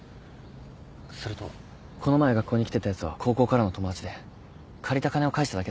それとこの前学校に来てたやつは高校からの友達で借りた金を返しただけだ。